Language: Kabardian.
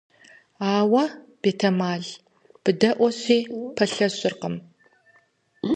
Ауэ, бетэмал, быдэӀуэщи, пэлъэщыркъым.